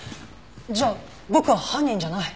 じゃあ僕は犯人じゃない？